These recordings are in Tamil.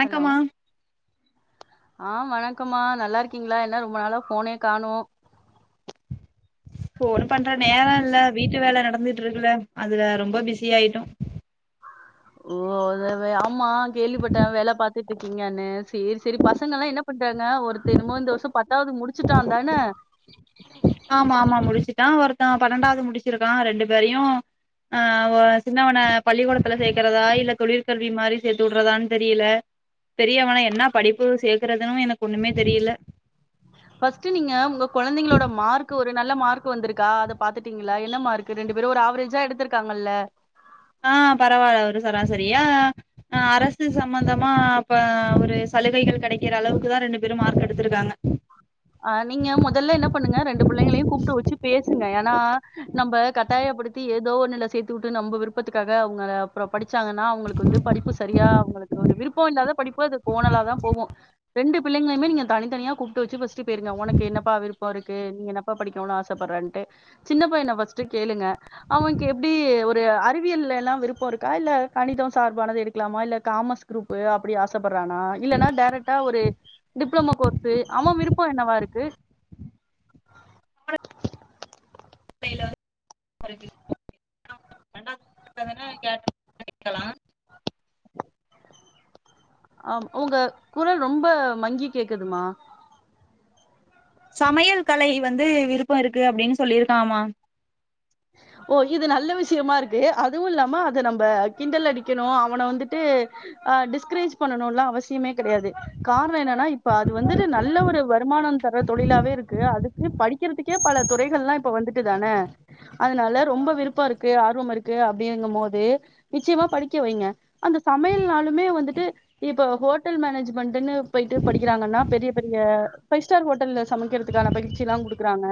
ஹலோ ஆ வணக்கமா நல்லா இருக்கீங்களா என்ன ரொம்ப நாளா போனே கானோ போன் பண்ற நேரம் இல்ல வீட்டு வேல நடந்துட்டு இருக்குல அதுல ரொம்ப பிஸி ஆயிட்டோ ஓ அதா அதா ஆமா கேள்விப்பட்டே வேல பாத்துட்டு இருக்கீங்கன்னு சேரி சேரி பசங்கயெல்லா என்ன பண்றாங்க ஒருதெனமோ இந்த வருஷ பத்தாவது முடிச்சிட்டாந்தான ஆமா ஆமா முடிச்சிட்டா ஒருத்த பன்னெண்டாவது முடிச்சிருக்கா ரெண்டு பேரையு ஆ ஒ சின்னவன பள்ளிக்கூடத்துல சேர்க்கறதா இல்ல தொழிற்கல்வி மாரி சேத்து விட்றதான்னு தெரியல பெரியவனா என்ன படிப்பு சேக்கறதுன்னே எனக்கு ஒண்ணுமே தெரியல ஃபஸ்ட் நீங்க உங்க குழந்தைங்களோட மார்க் ஒரு நல்ல மார்க் வந்திருக்கா அத பாத்துட்டீங்களா என்ன மார் க்கு ரெண்டு பேரு ஒரு ஆவரேஜா எடுத்திருக்காங்கல்ல ஆ பரவாயில்ல ஒரு சரா சரியா அ அரசு சம்பந்தமா அப்ப ஒரு சலுகைகள் கிடைக்கிற அளவுக்கு தா ரெண்டு பேரு மார்க் எடுத்திருக்காங்க ஆ நீங்க முதல்ல என்ன பண்ணுங்க ரெண்டு பிள்ளைங்களையு கூப்பிட்டு வச்சு பேசுங்க ஏன்னா நம்ம கட்டாயப்படுத்தி ஏதோ ஒன்னுல சேத்து விட்டு நம்ம விருப்பத்துக்காக அவங்கள அப்புறோ படிச்சாங்கன்னா அவங்களுக்கு வந்து படிப்பு சரியா அவங்களுக்கு ஒரு விருப்ப இல்லாத படிப்பு அது கோனல தா போவு ரெண்டு பிள்ளைங்குமே நீங்க தனித்தனியா கூப்பிட்டு வச்சு ஃபஸ் ட்டு போய்டுங்க உனக்கு என்னா விருப்ப இருக்கு நீ என்னப்பா படிக்கணும்னு ஆசப்பட்றன்ட்டு சின்ன பையன ஃபஸ்ட் கேளுங்க அவனுக்கு எப்டி ஒரு அறிவிய எல்லா விருப்ப இருக்கா இல்ல கணிதம் சார்பானது எடுக்கலாமா இல்ல காமஸ் குரூப் அப்டி ஆசப்பட்றானா இல்லன்னா டைரக்டா ஒரு டிப்ளமோ கோர்ஸ் அவ விரு ப்போ என்னவா இருக்கு ரெண்டாவ [unintelligible] கேட்டரிங் படிக்கலா ஆ உங்க குரல் ரொம்ப மங்கி கேக்குதுமா சமையல் கலை வந்து விருப்ப இருக்கு அப்டின்னு சொல்லி இருக்காமா ஓ இது நல்ல விஷயமா இருக்கு அதுவு இல்லாம அத நம்ம கிண்டல் அடிக்கணு அவன வந்துட்டு ஆ டிஸ்கரேஜ் பண்ணணு எல்லா அவசியமே கிடையாது காரண என்னன்னா இப்ப அது வந்துட்டு நல்ல ஒரு வருமான தர தொழிலாவே இருக்கு அது படிக்கிறதுக்கே பல துறைகள்ல்லா இப்ப வந்துட்டு தானே அதனால ஆ ரொம்ப விருப்ப இருக்கு ஆர்வ இரு க்கு அப்டிங்கு போது நிச்சயமா படிக்க வைங்க அந்த சமையல்னாலுமே வந்துட்டு இப்போ ஹோட்டல் மேனேஜ்மெண்ட்ன்னு போயிட்டு படிக்கிறாங்கன்னா பெரிய பெரிய ஃபைவ் ஸ்டார் ஹோட்டல் சமைக்கிறதுக்கு ஆனா பயிற் ச்சி எல்லா கொடுக்குறாங்க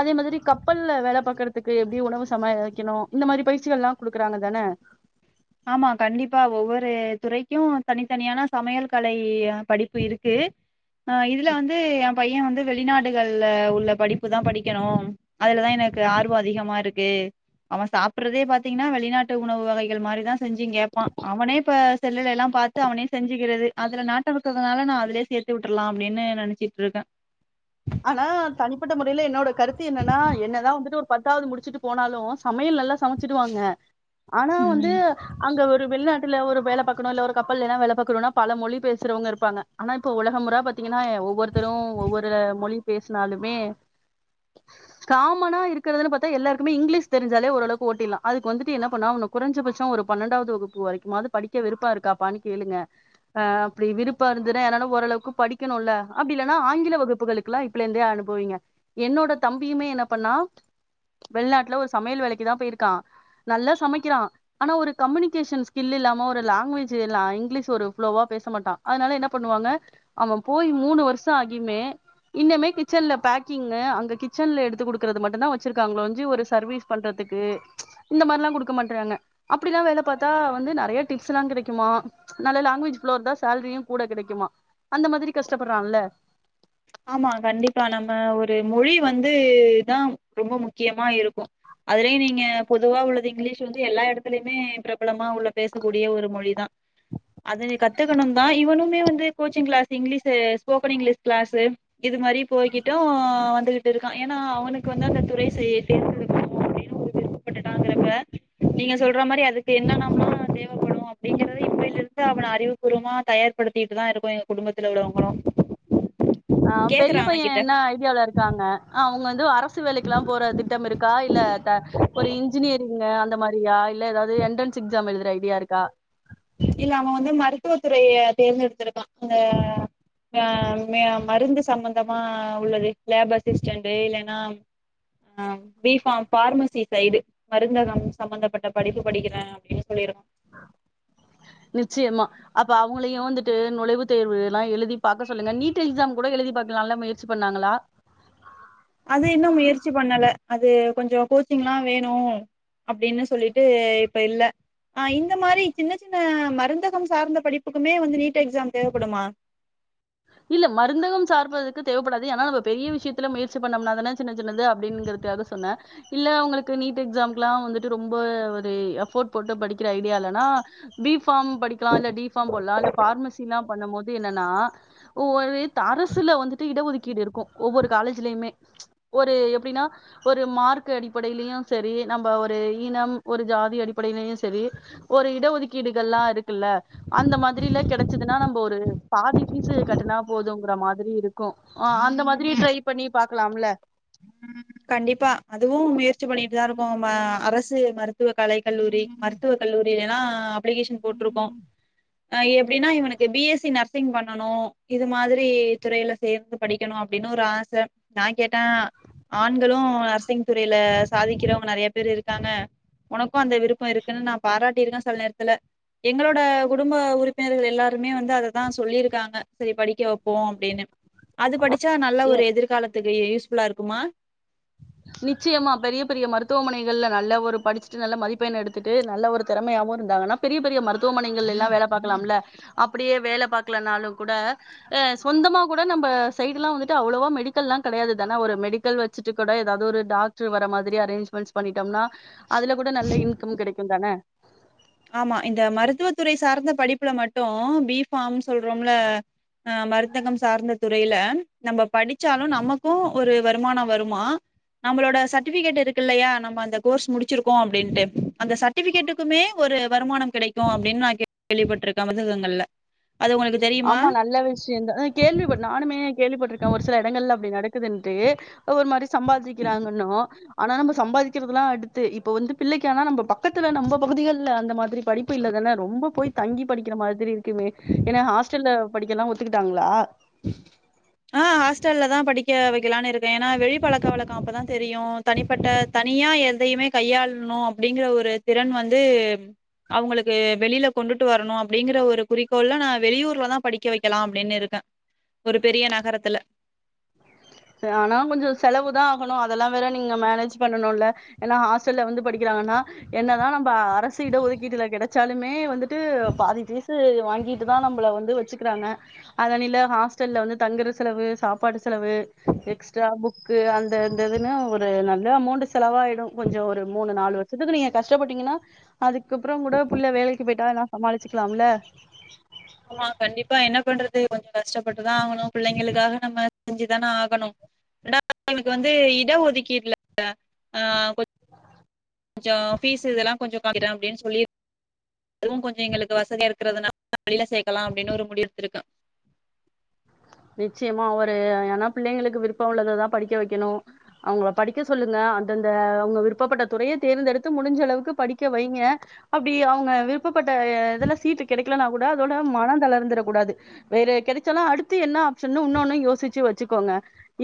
அதே மாதிரி கப்பல வேல பாக்கற துக்கு எப்டி உணவு சமைக்கனு இந்த மாரி பயிற்சிகள் எல்லா கொடுக்குறாங்க தான ஆமா கண்டிப்பா ஒவ்வொரு துறைக்கு தனித்தனியான சமையல் கலை படிப்பு இருக்கு ஆ இதுல வந்து எ பைய வந்து வெளிநாடுகள்ல உள்ள படிப்பு தா படிக்கணு அதுலதா எனக்கு ஆர்வம் அதிகமா இருக்கு அவ சாப்பிட்றதே பாத்தீங்கன்னா வெளிநாட்டு உணவு வகைகள் மாரி தா செஞ்சு கேட்பா அவனே இப்ப செல்லுல எல்லா பாத்து அவனே செஞ்சுக்கிறது அதுல நாட்ட இருக்கனால நா அதுலயே சேத் து விட்டுறலா அப்டின்னு நினச்சிட்டு இருக்க ஆனா தனிப்பட்ட முறையில என்னோட கருத்து என்னனா என்னதா வந்துட்டு ஒரு பத்தாவ்து முடிச்சுட்டு போனாலு சமையல் நல்லா செஞ் சமைச்சிடுவாங்க ஆனா ம் வந்து அங்க ஒரு வெளிநாட்ல ஒரு வேல பாக்கணு இல்ல ஒரு கப்பலேலா வேல பாக்கணுனா பல மொழி பேசுறவங்க இருப்பாங்க ஆனா இப்போ உலகமுறா பாத்தீங்கன்னா ஒவ்வொர்த்தரு ஒவ்வொரு மொழி பேசினாலுமே காமனா இருக்கிறதுனு பாத்தா எல்லாருக்குமே இங்கிலீஷ் தெரிஞ்சாலே ஓரளவுக்கு ஓட்டிலா அதுக்கு வந்துட்டு என்ன பண்னாவ்ணு குறைஞ்சபட்ச ஒரு பன்னெண்டாவது வகுப்பு வரைக்குமாது படிக்க விருப்ப இருக்காப்பானு கேளுங்க ஆ அப்டி விருப்ப இருந்துனா ஏனால ஓரளவுக்கு படிக்கணுலே அப்டி இல்லனா ஆங்கில வகுப்புகளுக் கிலா இப்பலேந்தே அனுபுவீங்க என்னோட தம்பியுமே என்ன பண்ணா வெளிநாட்ல ஒரு சமையல் வேலைக்கு தா போயிருக்கா நல்லா சமைக்கிறா ஆனா ஒரு கம்யூனிகேஷன் ஸ்கில் இல்லாம ஒரு லாங்குவேஜிலா இங்கிலீஷ் ஒரு ப்ளோவா பேச மாட்டா அதனால என்ன பண்ணுவாங்க அவ போயி மூணு வர்ஷ ஆகிமே இன்னமே கிச்சன்ல பேக்கிங்கு அங்க கிச்சன்ல எடுத்து குடுக்கறது மட்டுந்தா வச்சிருக்காங்ளோஞ்சி ஒரு சர்வீஸ் பண்றதுக்கு இந்த மார்லா குடுக்க மாட்றாங்க அப்டில வேல பாத்தா வந்து நறைய டிப்ஸ்லா கிடைக்குமா நல்ல லாங்குவேஜ் புளோர்ந்தா சேல்ரியு கூட கிடைக்குமா அந்த மாதிரி கஷ்டப்பட்றால ஆமா கண்டிப்பா நம்ம ஒரு மொழி வந்து தா ரொம்ப முக்கியமா இருக்கு அதுலயு நீங்க பொதுவா உள்ளது இங்கிலீஷ் வந்து எல்லா எடத்திலியுமே பிரபலமா உள்ள பேசக்கூடிய ஒரு மொழி தா அது நீ கத்துக்கணுந்தா இவனுமே வந்து coaching class English spoken English class இது மாரி போய்கிட்டு வந்துகிட்டு இருக்கா ஏனா அவனுக்கு வந்து அந்த துறை சே தேர்ந்தெடுக்கணு அப்டின் விருப்பப்பட்டுட்டாங்கறப்ப நீங்க சொல்ற மாரி அதுக்கு என்னனம தேவ படு மா அப்டிங்கறது இப்பய்லர்ந்து அவன அறிவுபூர்வமா தயார் படுத்திட்டுதா இருக்கோ எங்க குடும்பத்துல உள்ளவங்களு ஆ பெரிய பைய என்னாய் இந்தியாவுல இருக்காங்க அனா அவுங்க வந்து அரசு வேலைக்கிலா போற திட்டம் இருக்கா இல்ல தன் ஒரு இன்ஜினியரிங்க அந்த மாரியா இல்ல ஏதாவ்து என்ட்ரன்ஸ் எக்ஸாம் எழுதுற ஐடியா இருக்கா இல்ல அவ வந்து மருத்துவ துறைய தேர்ந்தெடுத்திருக்கா அந்த மருந்து சம்பந்தமா உள்ளது லேப் அசிஸ்டன்டு இல்லேனா ஆ பி ஃபார்ம் பார்மசி சைடு மருந்தகம் சம்பந்தப்பட்ட படிப்பு படிக்கிறே அப்டின் சொல்லியிருக்கோ நிச்சயமா அப்ப அவுங்களையு வந்துட்டு நுழைவு தேர்வு லா எழுதி பாக்க சொல்லுங்க நீட் எக்ஸாம் கூட எழுதி பாக்லாலா முயற்சி பண்ணாங்களா அது இன்னு முயற்சி பண்ணல அது கொஞ்ச கோச்சிங்லா வேணு அப்டினு சொல்லிட்டு இப்ப இல்ல ஆ இந்த மாரி சின்ன சின்ன மருந்தகம் சார்ந்த படிப்புக்குமே வந்து நீட் எக்ஸாம் தேவப்படுமா இல்ல மருந்தகம் சார்ப்பதுக்கு தேவப்படாது ஏனா நம்ம பெரிய விஷயத்துல முயற் சி பண்ணம்ன தானே சின்ன சின்னது அப்டிங்கிறதுக்காக சொன்ன இல்ல அவுங்களுக்கு நீட் எக்ஸாம்கிலா வந்துட்டு ரொம்ப ஒரு எஃபோர்ட் போட்டு படிக்கிற ஐடியா இல்லனா பி ஃபார்ம் படிக்கிலா இல்ல டி ஃபார்ம் போட்லா இல்ல ஃபார்மசிலா பண்ணும் போது என்னனா ஒவ்வொரு அரசுல வந்துட்டு இட ஒதுக்கீடு இருக்கு ஒவ்வொரு காலேஜ்லயுமே ஒரு எப்டினா ஒரு மார்க்கு அடிப்படையிலயு செரி நம்ப ஒரு இனம் ஒரு ஜாதி அடிப்படையிலயு செரி ஒரு இட ஒதுக்கீடுகள்லா இருக்குல்ல அந்த மாதிரில கெடச்சுதுனா நம்ப ஒரு பாதி பீஸு கட்டனா போதுங்கிற மாதிரி இருக்கு ஆ அந்த மாதிரி ட்ரை பண்ணி பாக்லாம்ல உம் கண்டிப்பா அதுவு முயற்சி பண்ணிட்தா இருக்கோ ம அரசு மருத் துவ கலை கல்லூரி மருத்துவக் கல்லூரிலேலா அலகேஷன் போட்ருக்கோ அ எப்டினா இவனுக்கு பி எஸ் சி நர்ஸ் ர்சிங் பண்ணனு இது மாதிரி துறையில சேந்து படிக்கணு அப்டின்னு ஒரு ஆச நா கேட்டே ஆண்களு நர்சிங் துறையில சாதிக்கிறவங்க நெறைய பேர் இருக்காங்க ஒனக்கு அந்த விருப்ப இருக்குன்னு நா பாராட்டுருக்க செல நேரத்துல எங்களோட குடும்ப உறுப்பினர்கள் எல்லாருமே வந்து அததா சொல்லிருக்காங்க சரி படிக்க வப்போ அப்டின்னு அது படிச்சா நல்ல ஒரு எதிர்காலத்துக்கு இ யூஸ் ஃபுல்லா இருக்குமா நிச்சியமா பெரிய பெரிய மருத்துவமனைகள்ல நல்ல ஒரு படிச்சுட்டு நல்ல மதிப்பெண் எடுத்துட்டு நல்ல ஒரு திறமையாவவு இருந்தாங்கன்னா பெரிய பெரிய மருத்துவமனைகளெல்லா வேல பாக்கலாம்ல அப்டியே வேல பாக்கலனாலு கூட அ சொந்தமா கூட நம்ப சைடுல்லா வந்துட்டு அவ்ளோவா மெடிக்கல்லா கெடையாது தானே ஒரு மெடிக்கல் வச்சுட்டு கூட எதாவது ஒரு டாக்டர் வர மாதிரி அரேஞ்ச்மென்ட்ஸ் பண்ணிட்டோம்னா அதுல கூட நல்ல இன்கம் கெடைக்கு தானே ஆமா இந்த மருத்துவத்துறை சார்ந்த படிப்புல மட்டு பி ஃபாம்னு சொல்றோம்ல அ மருந்தகம் சார்ந்த துறையில நம்ப படிச்சாலு நமக்கு ஒரு வருமானம் வருமா நம்மளோட சர்டிஃபிகேட் இருக்குல்லயா நம்ம அந்த கோர்ஸ் முடிச்சிருக்கோ அப்டின்னுட்டு அந்த சர்டிஃபிகேட்டுக்குமே ஒரு வருமானம் கெடைக்கு அப்டின்னு நா கேள்விப்பட்டிருக்கே மருந்தகங்கள்ல அது உங்களுக்கு தெரியுமா? ஆமா நல்ல விஷயதா கேள்வி பட் நானுமே கேள்விப்பட்டிருக்கே ஒரு சில எடங்கள்ல அப்டி நடக்குதுன்ட்டு ஒரு மாரி சம்பாதிக்கிறாங்கன்னு ஆனா நம்ப சம்பாதிக்கிறதுல்லா அடுத்து இப்போ வந்து பிள்ளைக்கு ஆனா நம்ப பக்கத்துல நம்ப பகுதிகள்ல அந்த மாதிரி படிப்பு இல்லதான ரொம்ப போய் தங்கி படிக்கிற மாதிரி இருக்குமே ஏனா ஹாஸ்டல் ல படிக்கல்லா ஒத்துக்கிட்டாங்களா ஆ ஹாஸ்டல்ல தா படிக்க வெக்கலானு இருக்கே ஏன்னா வெளி பழக்க வழக்க அப்பதா தெரியு தனிப்பட்ட தனியா எதையுமே கையாளணு அப்டிங்கற ஒரு திறன் வந்து அவுங்களுக்கு வெளியில கொண்டுட்டு வரணு அப்டிங்கிற ஒரு குறிக்கோள்ல நா வெளியூர்லதா படிக்க வைக்கலா அப்டின்னு இருக்கே ஒரு பெரிய நகரத்துல ஆனா கொஞ்ச செலவு தா ஆகணு அதெல்லா வேற நீங்க மேனேஜ் பண்ணணுல ஏன்னா ஹாஸ்டல்ல வந்து படிக்கிறாங்கன்னா என்னதா நம்ப அரசு இட ஒதுக்கீட்டுல கெடச்சாலுமே வந்து ட்டு பாதி பீசு வாங்கி ட்டு தா நம்பள வந்து வச்சுக்கிறாங்க அதனில ஹாஸ்டல்ல வந்து தங்குற செலவு சாப்பாடு செலவு எக்ஸ்ட்ரா புக்கு அந்த இந்ததுன்னு ஒரு நல்ல அமௌண்ட் செலவாயிடு கொஞ்ச ஒரு மூணு நாலு வரு சத்துக்கு நீங்க கஷ்டப்பட்டீங்கன்னா அதுக்கப்புறோ கூட புள்ள வேலைக்கு போய்ட்டா எல்லா சமாளிச்சுக்கலாம்ல ஆமா கண்டிப்பா என்ன பண்றது கொஞ்ச கஷ்டப்பட்டுதா ஆகணு பிள்ளைங்களுக்காக நம்ம செஞ்சுதானே ஆகணு ரெண்டாவது அவளுக்கு வந்து இட ஒதுக்கீடுல ஆ கொஞ்ச ஃபீஸ் இதெல்லா கொஞ்ச கம்மி பண்ணிக்கிறே அப்டின்னு சொல்லிரு அதுவு கொஞ்ச எங்களுக்கு வசதியா இருக்குறதுனால வெளில சேக்கலா அப்டின்னு ஒரு முடிவெடுத்துருக்கே நிச்சயமா ஒரு ஏனா பிள்ளைங்களுக்கு விருப்ப உள்ளததா படிக்க வெக்கணு அவுங்கள படிக்க சொல்லுங்க அந்தந்த அவுங்க விருப்பப்பட்ட துறைய தேர்ந்தெடுத்து முடிஞ்ச அளவுக்கு படிக்க வைங்க அப்டி அவுங்க விருப்பப்பட்ட இதுல சீட்டு கெடைக்கலனா கூட அதோட மன தளர்ந்துர கூடாது வேற கெடச்சாலு அடுத்து என்ன ஆப்ஷன்னு இன்னொன்னு யோசிச்சு வச்சுக்கோங்க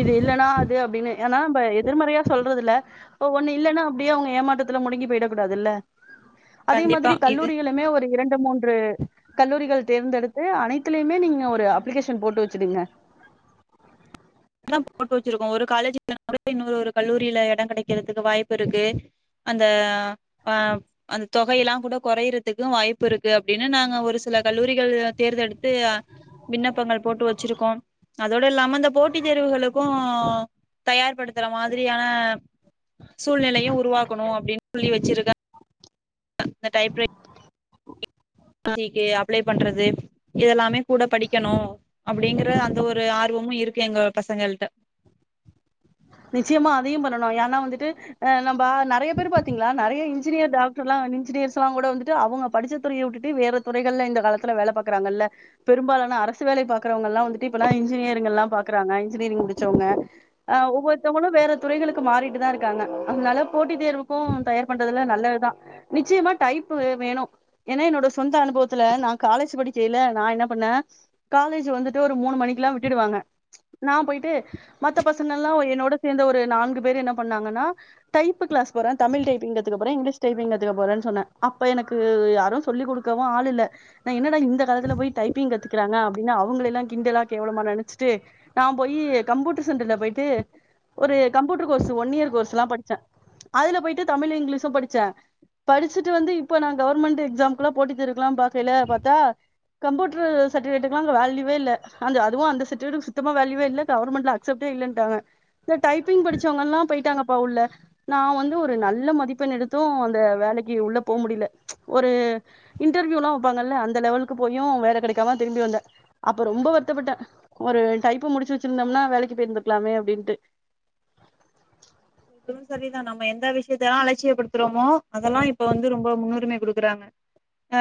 இது இல்லன்னா அது அப்டின்னு ஏன்னா நம்ப எதிர்மறையா சொல்றதுல்ல இப்ப ஒண்ணு இல்லன்னா அப்டியே அவுங்க ஏமாத்தத்துல முடிங்கி போயிட கூடாதுல்ல அதே கண்டிப்பா மாதிரி இது கல்லூரிகளுமே ஒரு இரண்டு மூன்று கல்லூரிகள் தேர்ந்தெடுத்து அனைத்துலயுமே நீங்க ஒரு அப்ளிகேஷன் போட்டு வச்சுடுங்க அப்டி தா போட்டு வச்சிருக்கோ ஒரு காலேஜ் இல்லனா கூட இன்னொரு ஒரு கல்லூரியில எட கெடைக்குறதுக்கு வாய்ப்புருக்கு அந்த ஆ அந்த தொகையல்லா கூட கொறையிறதுக்கு வாய்ப்பு இருக்கு அப்டின்னு நாங்க ஒரு ஒரு சில கல்லூரிகள் தேர்ந்தெடுத்து விண்ணப்பங்கள் போட்டு வச்சிருக்கோ அதோட இல்லாம இந்த போட் டுளுக்கு தயார்படுத்துற மாதிரியான சூழ்நிலையும் உருவாக்கணு அப்டின்னு சொல்லி வச்சிருக்க இந்த டைப்ரை ஜிகே அப்ளை பண்றது இதெல்லாமே கூட படிக்கணு அப்டிங்ற அந்த ஒரு ஆர்வமு இருக்கு எங்க பசங்கள்ட்ட நிச்சயமா அதையு பண்ணணு ஏன்னா வந்துட்டு நம்ப நெறைய பேரு பாத்தீங்ளா நெறைய இன்ஜினியர் டாக்டர்ல்லா இன்ஜினியர்ஸ்ல்லா கூட வந்துட்டு அவங்க படிச்ச துறைய விட்டுட்டு வேற துறைகள்ல இந்த காலத்துல வேல பாக்குறாங்கல்ல பெரும்பாலான அரசு வேலை பாக்குறவங்கல்லா வந்துட்டு இப்பெல்லா இஜ்ஜினியரிங்கல்லா பாக்குறாங்க இன்ஜினியரிங் முடிச்சவங்க ஆ ஒவ்வொருத்தவங்களு வேற துறைகளுக்கு மாறிட்டு தா இருக்காங்க அதனால போட்டித் தேர்வுக்கு தயார் பண்றது நல்லதுதா நிச்சயமா டைப்பு வேணு ஏன்னா என்னோட சொந்த அனுபவத்துல நா காலேஜ் படிக்கைல நா என்ன பண்ண காலேஜ் வந்துட்டு ஒரு மூணு மணிக்கெல்லா விட்டுடுவாங்க நா போய்ட்டு மத்த பசங்கல்லா என்னோட சேந்த ஒரு நான்கு பேர் என்ன பண்ணாங்கன்னா டைப்பு கிளாஸ் போறே தமிழ் டைப்பிங் காத்துக் போறே இங்கிலீஷ் டைப்பிங் கத்துக்க போறேனு சொன்ன அப்ப எனக்கு யாரு சொல்லி கொடு க்கவு ஆளில்ல நா என்னடா இந்த காலத்துல போய் டைப்பிங் கத்துக்கறாங்க அப்டின்னு அவங்களல்லா கிண்டலா கேவலமா நெனச்சிட்டு நா போயி கம்ப்யூட்டர் சென்டர்ல போயிட்டு ஒரு கம்ப்யூட்டர் கோர்ஸ் ஒன் இயர் கோர்ஸ்ல்லா படிச்சே அதுல போய்ட்டு தமிழு இங்லீஷு படிச்சே படிச்சுட்டு வந்து இப்ப நா கவர்மெண்ட் எக்ஸாம்கெல்லா போட்டி தேர்வுக்கெல்லா பாக்கையில பாத்தா கம்யூட்டர் சர்டிஃபிகேட்டுகெல்லா அங்க வேல்யூவே இல்ல அதுவு அந்த சர்டிஃபிகேட்க்கு சுத்தமா வேல்யூவே இல்ல கவர்மெண்ட்ல ஷிப்டே இல்லன்டாங்க இந்த டைப்பிங் படிச்சவங்கல்லா போயிட்டாங்கப்பா உள்ள நா வந்து ஒரு நல்ல மதிப்பெண் எடுத்து அந்த வேலக்கி உள்ள போக முடியல ஒரு இன்டர்வியூல்லா வப்பாங்கல்ல அந்த லெவலுக்கு போயு வேல கெடக்காம திரும்பி வந்த அப்ப ரொம்ப வருத்தப்பட்ட ஒரு டைப்ப முடிச்சு வச்சிருந்தொம்னா வேலக்கி போயிருந்துக்லாமே அப்டின்ட்டு அதும் சரிதா நம்ம எந்த விஷ்யத்த அலட்சியப்படுத்துறோமோ அதெல்லா இப்ப வந்து ரொம்ப முன்னுரிமை குடுக்குறாங்க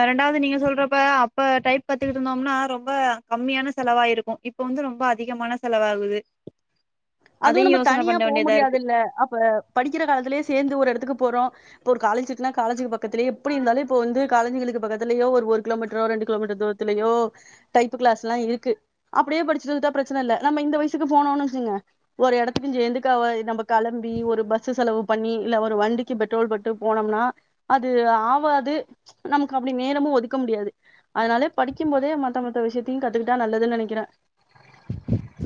ரெண்டாவது நீங்க சொல்றப்ப அப்ப டைப் கத்துக்கிட்ருந்தோம்னா ரொம்ப கம்மியான செலவாயிருக்கு இப்ப வந்து ரொம்ப அதிகமான செலவாவுது அதுவு நம்ம தனியா போ இருக்கு முடியாதுல்ல அப்ப படிக்கிற காலத்துலயே சேந்து ஒரு எடத்துக்கு போறோ இப்ப ஒரு காலேஜ்க்னா காலேஜிக்கு பக்கத்லயே எப்டி இருந்தாலு இப்ப வந்து காலேஜிகளுக்கு பக்கத்லயே ஒரு கிலோமீட்ரோ ரெண்டுகிலோமீட்டர் தூர த்துலயோ டைப்பு கிளாஸ்லா இருக்கு அப்டியே படிச்சிட்டு வந்துட்டா பிரச்சன இல்ல நம்ம இந்த வயசுக்கு போனோனு வச்சுக்குங்க ஒரு எடத்துக்கு இங்கேந்துக்க அவ நம்ம கெளம்பி ஒரு பஸ்ஸு செலவு பண்ணி இல்ல ஒரு வண்டிக்கு பெட்ரோல் போட்டு போனொம்னா அது ஆவாது நமக்கு அப்டி நேரமு ஒதுக்க முடியாது அதனால படிக்கும் போதே மத்த மத்த விஷயத்தயு கத்துக்கிட்டா நல்லதுன்னு நெனக்கிற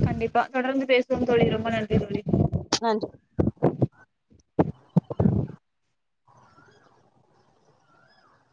கண்டிப்பா தொடர்ந்து பேசுவோம் தோழி ரொம்ப நன்றி தோழி நன்றி